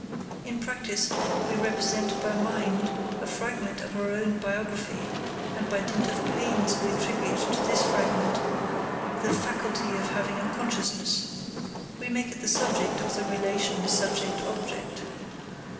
In practice we represent by mind a fragment of our own biography, and by dint of pains we attribute to this fragment the faculty of having a consciousness; we make it the subject of the relation subject object.